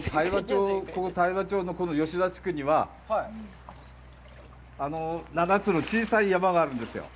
大和町、ここの吉田地区には、７つの小さい山があるんですよ。